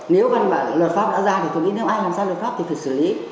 nếu lợi pháp đã ra tôi nghĩ nếu ai làm sai lợi pháp thì phải xử lý